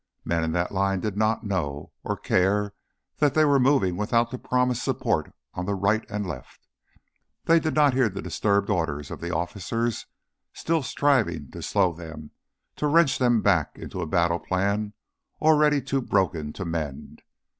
Men in that line did not know or care that they were moving without the promised support on right and left; they did not hear the disturbed orders of the officers still striving to slow them, to wrench them back into a battle plan already too broken to mend.